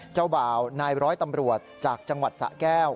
เจ้าบ่าวนายร้อยตำรวจจากจังหวัดสะแก้ว